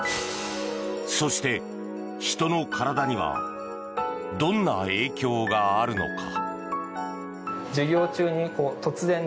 そして、人の体にはどんな影響があるのか。